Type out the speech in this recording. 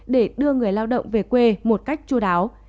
để đưa người lao động về quê một cách chú đáo